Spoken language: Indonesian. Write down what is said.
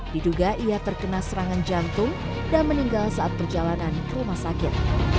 diduga ia terkena serangan jantung dan meninggal saat perjalanan ke rumah sakit